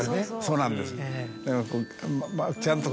そうなんです。